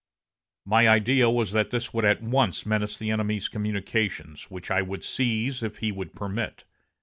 My idea was that this would at once menace the enemy's communications, which I would seize, if he would permit.